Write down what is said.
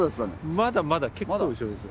まだまだ結構後ろです。